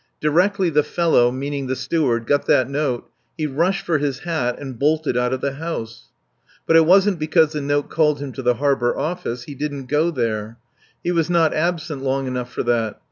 Directly the fellow (meaning the Steward) got that note he rushed for his hat and bolted out of the house. But it wasn't because the note called him to the Harbour Office. He didn't go there. He was not absent long enough for that.